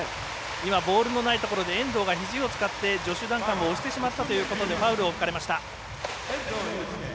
ボールのないところで遠藤がひじを使ってジョシュ・ダンカンを押してしまったということでファウルをとられました。